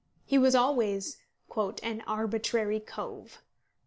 He was always "an arbitrary cove."